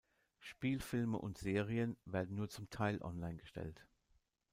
Spielfilme und Serien werden nur zum Teil online gestellt.